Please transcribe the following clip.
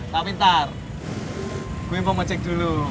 tapi ntar gue mau ngecek dulu